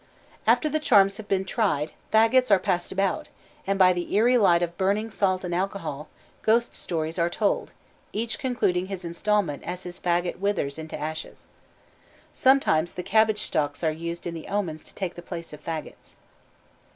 After the charms have been tried, fagots are passed about, and by the eerie light of burning salt and alcohol, ghost stories are told, each concluding his installment as his fagot withers into ashes. Sometimes the cabbage stalks used in the omens take the place of fagots.